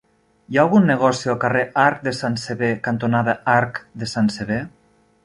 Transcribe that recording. Hi ha algun negoci al carrer Arc de Sant Sever cantonada Arc de Sant Sever?